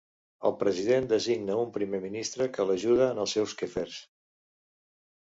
El president designa un primer ministre que l'ajuda en els seus quefers.